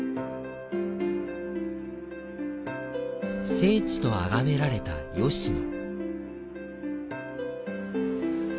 聖地と崇められた吉野。